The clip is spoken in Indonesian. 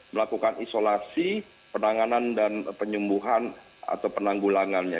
melakukan isolasi penanganan dan penyembuhan atau penanggulangannya